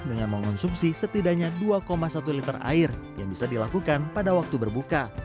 dengan mengonsumsi setidaknya dua satu liter air yang bisa dilakukan pada waktu berbuka